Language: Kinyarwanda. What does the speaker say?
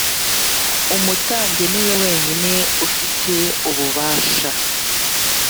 umutambyi niwe wenyine ufite ububasha.